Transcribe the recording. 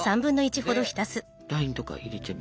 ラインとか入れてみちゃうの？